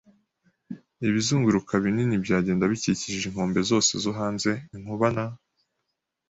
ibizunguruka binini byagenda bikikije inkombe zose zo hanze, inkuba na